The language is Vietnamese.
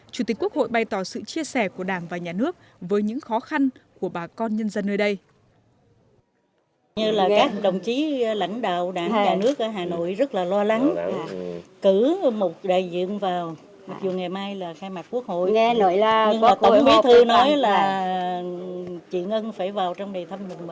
chủ tịch quốc hội bày tỏ sự chia sẻ của đảng và nhà nước với những khó khăn của bà con nhân dân nơi đây